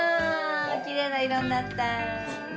きれいな色になった。